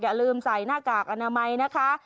อย่าลืมใส่หน้ากากอนามัยนะคะ